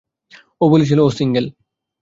ও বলেছিল ও সিংগেল।